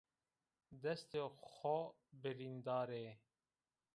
Destê xo birîndar ê